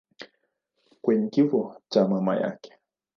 kwenye kifo cha mama yake.